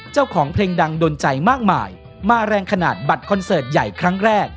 เจ้าของเพลงดังโดนใจมากมายมาแรงขนาดบัตรคอนเสิร์ตใหญ่ครั้งแรก